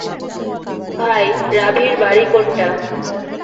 ভাই, রাভির বাড়ি কোনটা?